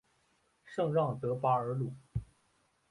圣让德巴尔鲁。